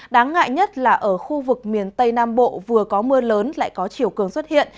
đáng ngại nhất là ở khu vực miền tây nam bộ vừa có mưa lớn lại có chiều cường xuất hiện